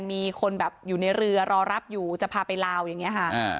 มีคนแบบอยู่ในเรือรอรับอยู่จะพาไปลาวอย่างนี้ค่ะ